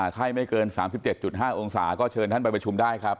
ไม่เกิน๓๗๕องศาก็เชิญท่านไปประชุมได้ครับ